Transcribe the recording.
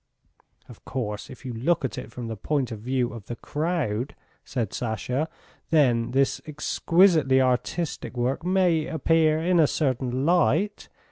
"Of course if you look at it from the point of view of the crowd," said Sasha, "then this exquisitely artistic work may appear in a certain light.